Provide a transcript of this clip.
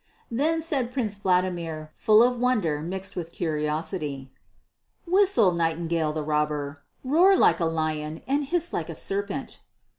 Then said Prince Vladimir, full of wonder mixed with curiosity, "Whistle, Nightingale the Robber, roar like a lion, and hiss like a serpent."